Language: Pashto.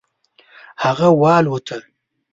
هغه والوته.